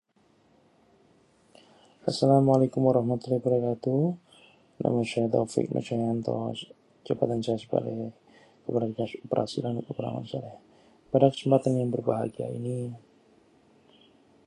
Mobil itu menabrak pohon.